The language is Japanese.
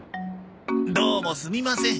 どうもすみません。